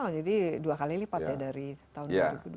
jadi dua kali lipat ya dari tahun dua ribu dua puluh satu